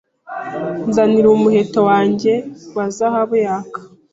Nzanira umuheto wanjye wa zahabu yaka